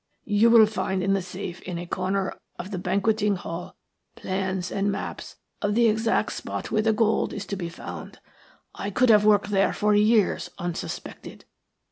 You will find in the safe in a corner of the banqueting hall plans and maps of the exact spot where the gold is to be found. I could have worked there for years unsuspected.